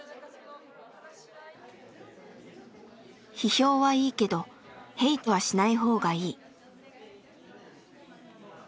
批評はいいけどヘイトはしない方がいい。